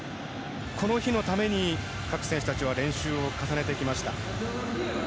この日のために各選手たちは練習を重ねてきました。